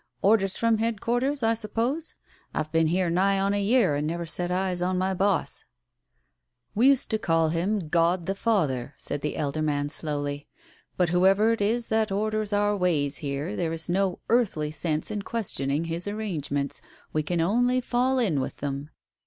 Orders from headquarters, I suppose ? I've been here nigh on a year and never set eyes on my boss !" "We used to call him God the Father," said the elder man slowly. ... "But whoever it is that orders our ways here, there is no earthly sense in questioning His arrangements, we can only fall in with them.